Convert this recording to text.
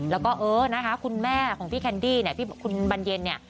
แล้วก็คุณแม่ของพี่แคนดี้คุณบรรเยน